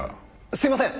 すいません！